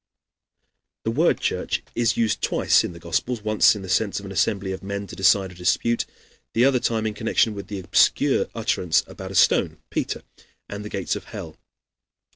The word church is used twice in the Gospels once in the sense of an assembly of men to decide a dispute, the other time in connection with the obscure utterance about a stone Peter, and the gates of hell.